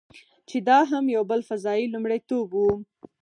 چې دا هم یو بل فضايي لومړیتوب و.